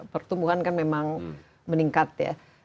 pertumbuhan kan memang meningkat ya